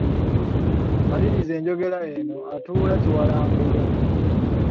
Maliriza enjogera eno: Atuula kiwalangulo …